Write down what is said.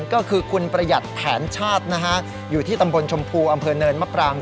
ก็คือคุณประหยัดแผนชาตินะฮะอยู่ที่ตำบลชมพูอำเภอเนินมะปราง